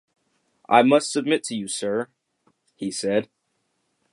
‘I must submit to you, Sir —’ he said.